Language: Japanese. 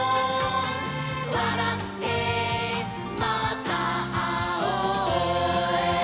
「わらってまたあおう」